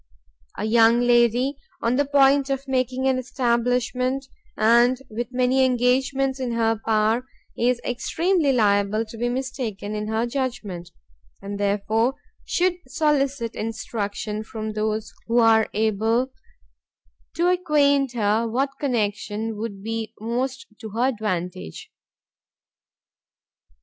A young lady on the point of making an establishment, and with many engagements in her power, is extremely liable to be mistaken in her judgment, and therefore should solicit instruction from those who are able to acquaint her what connection would be most to her advantage.